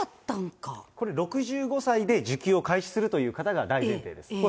これ、６５歳で受給を開始するという方が大前提です。